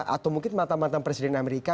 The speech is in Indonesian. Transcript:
atau mungkin mata mata presiden amerika